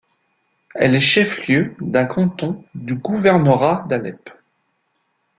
Elle est chef-lieu d'un canton du gouvernorat d'Alep.